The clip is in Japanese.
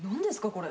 これ。